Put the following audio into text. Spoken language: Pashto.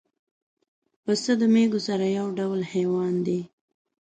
پسه د مېږو سره یو ډول حیوان دی.